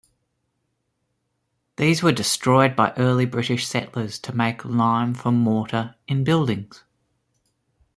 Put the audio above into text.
These were destroyed by early British settlers to make lime for mortar in buildings.